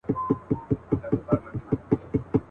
ستا تر ناز دي صدقه بلا گردان سم.